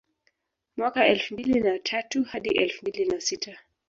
Mwaka elfu mbili na tatu hadi elfu mbili na sita